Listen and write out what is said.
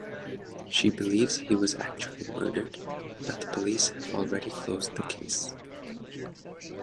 She believes he was actually murdered, but the police have already closed the case.